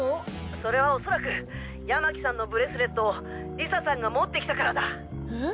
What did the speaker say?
それはおそらく山喜さんのブレスレットを理沙さんが持ってきたからだ。え？